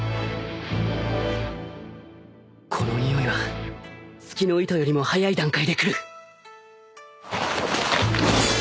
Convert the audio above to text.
このにおいは隙の糸よりも早い段階で来る！